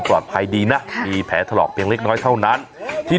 ปลอดภัยดีนะค่ะมีแผลถลอกเพียงเล็กน้อยเท่านั้นที